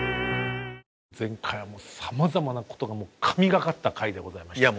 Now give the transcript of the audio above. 前回はさまざまなことが神がかった回でございました。